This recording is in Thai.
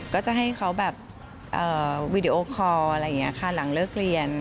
ก็จะให้เขาแบบวีดีโอคอร์อะไรอย่างนี้ค่ะหลังเลิกเรียน